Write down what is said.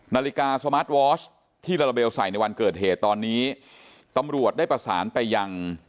นาฬิกาสมาร์ทวอร์ชที่ลาลาเบลใส่ในวันเกิดเหตุตอนนี้ตำรวจได้ประสานไปยัง